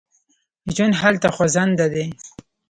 ژوند هلته خوځنده دی.